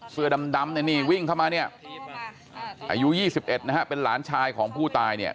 เสื้อดำเนี่ยนี่วิ่งเข้ามาเนี่ยอายุ๒๑นะฮะเป็นหลานชายของผู้ตายเนี่ย